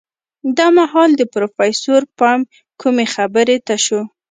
دا مهال د پروفيسر پام کومې خبرې ته شو.